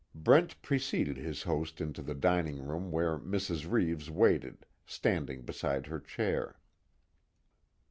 Brent preceded his host into the dining room where Mrs. Reeves waited, standing beside her chair.